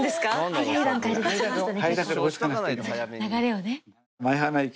早い段階で出しましたね。